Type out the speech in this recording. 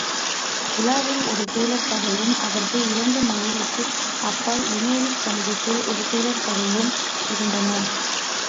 ஊலாவில் ஒரு பீலர் படையும் அதற்கு இரண்டு மைலுக்கு அப்பால், லிமெரீக் சந்திப்பில் ஒரு பீலர்படையும் இருந்தன.